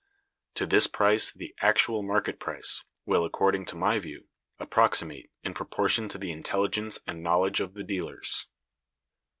To this price the actual market price will, according to my view, approximate, in proportion to the intelligence and knowledge of the dealers."